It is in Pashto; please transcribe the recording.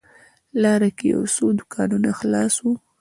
لاره کې یو څو دوکانونه خلاص و.